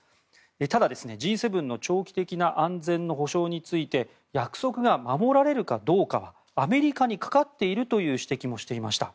ただ、Ｇ７の長期的な安全の保障について約束が守られるかどうかはアメリカにかかっているという指摘もしていました。